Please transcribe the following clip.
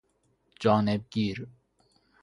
جانب گیر